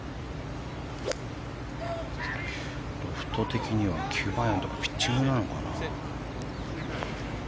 ロフト的には９番アイアンとかピッチングじゃないかな。